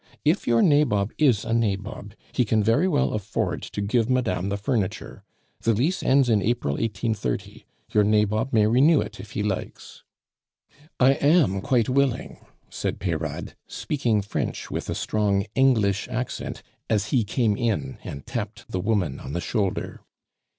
"If your nabob is a nabob, he can very well afford to give madame the furniture. The lease ends in April 1830; your nabob may renew it if he likes." "I am quite willing," said Peyrade, speaking French with a strong English accent, as he came in and tapped the woman on the shoulder.